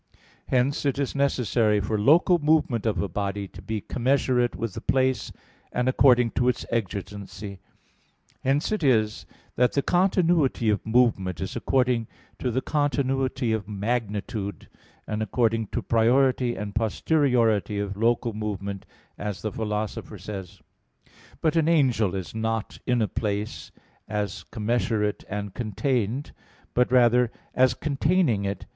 Hence it is necessary for local movement of a body to be commensurate with the place, and according to its exigency. Hence it is that the continuity of movement is according to the continuity of magnitude; and according to priority and posteriority of local movement, as the Philosopher says (Phys. iv, text 99). But an angel is not in a place as commensurate and contained, but rather as containing it.